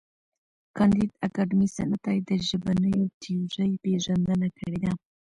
کانديد اکاډميسن عطایي د ژبنیو تیورۍ پېژندنه کړې ده.